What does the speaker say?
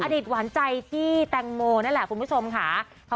อดีตหวานใจที่แตงโมนั่นแหละคุณผู้ชมค่ะ